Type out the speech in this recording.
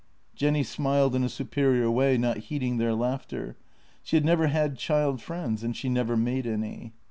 Jenny smiled in a superior way, not heed ing their laughter. She had never had child friends, and she never made any.